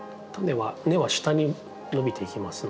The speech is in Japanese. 根は下に伸びていきますので。